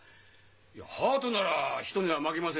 いやハートなら人には負けませんぞ。